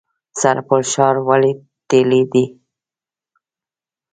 سرپل ښار ولې تیلي دی؟